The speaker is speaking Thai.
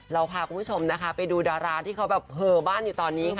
เราพาคุณผู้ชมนะคะไปดูดาราที่เขาแบบเหอบ้านอยู่ตอนนี้ค่ะ